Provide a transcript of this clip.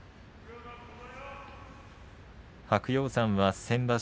白鷹山は先場所